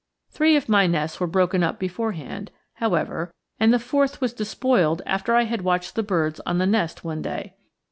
Three of my nests were broken up beforehand, however, and the fourth was despoiled after I had watched the birds on the nest one day.